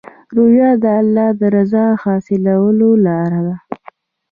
روژه د الله د رضا حاصلولو لاره ده.